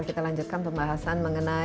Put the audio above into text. kita lanjutkan pembahasaan